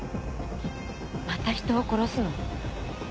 また人を殺すの？